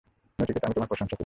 নচিকেতা, আমি তোমার প্রশংসা করি।